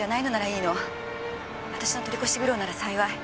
私の取り越し苦労なら幸い。